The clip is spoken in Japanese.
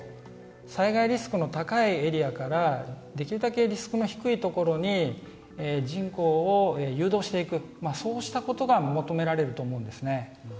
災害リスクの高いエリアからできるだけリスクの低い所に人口を誘導していくそうしたことが求められると思うんですね。